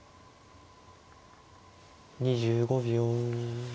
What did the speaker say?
２５秒。